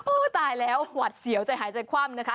ตายแล้วหวัดเสียวใจหายใจคว่ำนะคะ